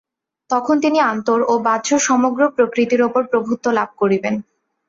তখন তিনি আন্তর ও বাহ্য সমগ্র প্রকৃতির উপর প্রভুত্ব লাভ করিবেন।